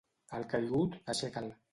Al caigut, aixeca'l.